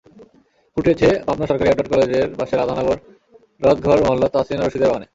ফুটেছে পাবনা সরকারি এডওয়ার্ড কলেজের পাশে রাধানগর রথঘর মহল্লার তাহসিনা রশিদের বাগানে।